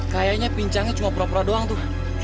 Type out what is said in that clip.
kayaknya pincangnya cuma pura pura doang tuh